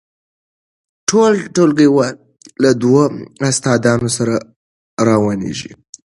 ټول ټولګیوال له دوو استادانو سره روانیږي.